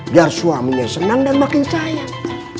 biar suaminya senang dan makin sayang